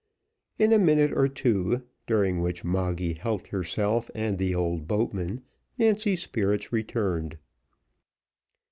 In a minute or two, during which Moggy helped herself and the old boatman, Nancy's spirits returned.